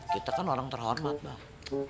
kita kan orang terhormat bang